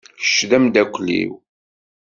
Kečč d amdakel-iw.